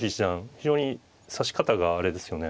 非常に指し方があれですよね